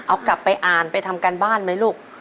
เอากลับไปอ่านไปทำการบ้านไหมลูก